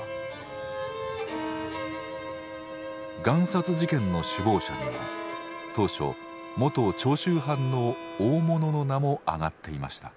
贋札事件の首謀者には当初元長州藩の大物の名も上がっていました。